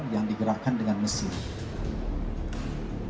yang digerakkan dengan mesin